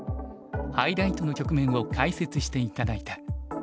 ハイライトの局面を解説して頂いた。